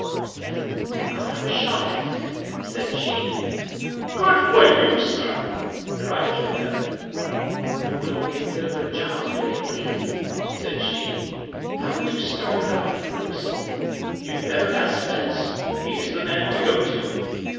"Then I'll have a shot at it," said Sheen. "Good for you, sir," cried Joe Bevan. "Though it'll be a bit of a job getting leave," said Sheen. "How would you start about it, Bruce?" "You'd better ask Spence. He's the man to go to."